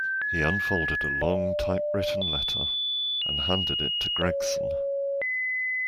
He unfolded a long typewritten letter, and handed it to Gregson.